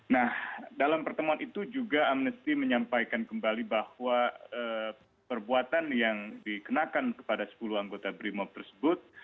nah dalam pertemuan itu juga amnesty menyampaikan kembali bahwa perbuatan yang dikenakan kepada sepuluh anggota brimob tersebut